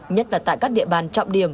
nhất là tại các địa bàn trọng điểm